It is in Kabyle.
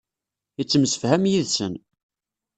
Yettemsefham yid-sen.